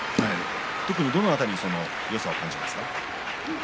特にどの辺りによさを感じますか。